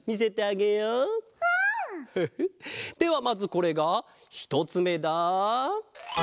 まずこれがひとつめだ。